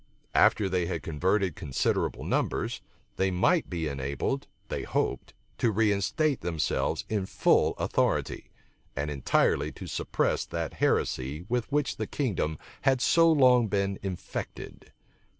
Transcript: After they had converted considerable numbers, they might be enabled, they hoped, to reinstate themselves in full authority, and entirely to suppress that heresy with which the kingdom had so long been infected.